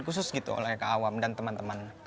khusus gitu oleh kawam dan teman teman